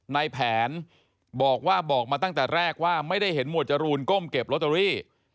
ในแผนบอกว่าบอกมาตั้งแต่แรกว่าไม่ได้เห็นหมวดจรูนก้มเก็บลอตเตอรี่